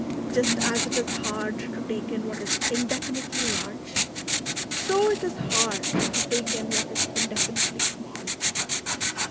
Just as it is hard to take in what is indefinitely large, so it is hard to take in what is indefinitely small.